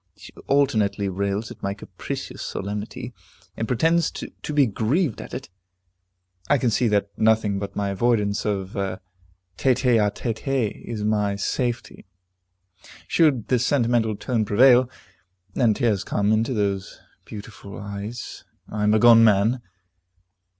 She alternately rails at my capricious solemnity, and pretends to be grieved at it. I can see that nothing but my avoidance of a tete a tete is my safety. Should the sentimental tone prevail, and tears come into those beautiful eyes, I am a gone man.